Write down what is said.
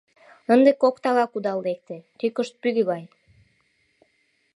Ынде кок тага кудал лекте, тӱкышт пӱгӧ гай.